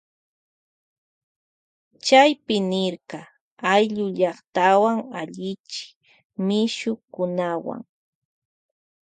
Chaypi nirka ayllullaktawan allichi mishukunawuan.